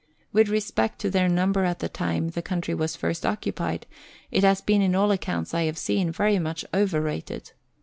With respect to their number at the time the country was first occupied, it has been, in all accounts I have seen, very much overrated.